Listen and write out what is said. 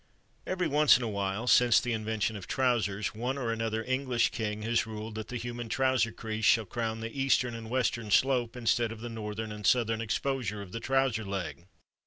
Every once in a while, since the invention of trousers, one or another English King has ruled that the human trouser crease shall crown the Eastern and Western slope instead of the Northern and Southern exposure of the trouser leg.